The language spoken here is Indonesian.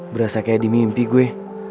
berasa kayak di mimpi gue